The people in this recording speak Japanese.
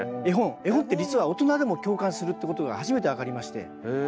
絵本って実は大人でも共感するってことが初めて分かりまして。